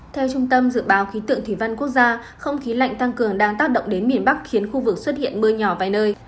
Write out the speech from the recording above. theo trung tâm dự báo khí tượng thủy văn quốc gia không khí lạnh tăng cường đang tác động đến miền bắc khiến khu vực xuất hiện mưa nhỏ vài nơi